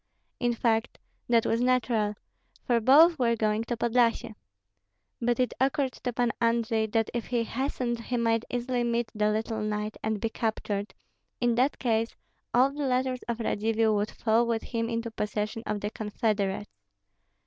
In fact, that was natural, for both were going to Podlyasye. But it occurred to Pan Andrei that if he hastened he might easily meet the little knight and be captured; in that case, all the letters of Radzivill would fall with him into possession of the confederates.